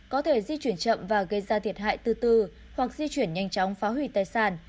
có thể di chuyển chậm và gây ra thiệt hại từ từ hoặc di chuyển nhanh chóng phá hủy tài sản